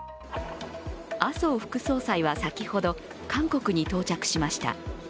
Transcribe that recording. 麻生副総裁は先ほど韓国に到着しました。